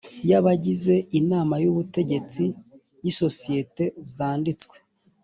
y abagize inama y ubutegetsi y isosiyete zanditswe